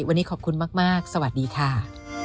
วันนี้ขอบคุณมากสวัสดีค่ะ